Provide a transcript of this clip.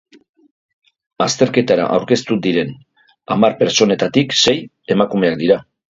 Azterketara aurkeztu diren hamar pertsonetatik sei emakumeak dira.